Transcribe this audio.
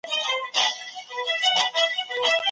کشکي موږ تلای سوای .